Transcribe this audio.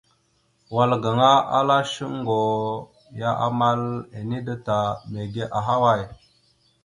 Wal gaŋa ala shuŋgo ya amal ene da ta, mege ahaway?